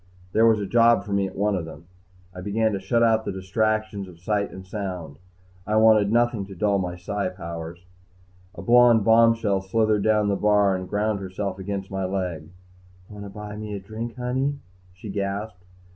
There was a job for me at one of them. I began to shut out the distractions of sight and sound. I wanted nothing to dull my PSI powers. A blond bombshell slithered down the bar and ground herself against my leg. "Wanna buy me a drink, honey?" she gasped.